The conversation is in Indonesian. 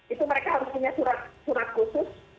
itu mereka harus punya surat khusus yang harus